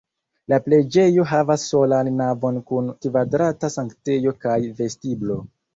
La preĝejo havas solan navon kun kvadrata sanktejo kaj vestiblo.